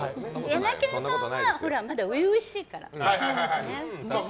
ヤマケンさんはまだ初々しいから。